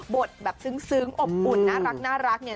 แบบซึ้งอบอุ่นน่ารักเนี่ย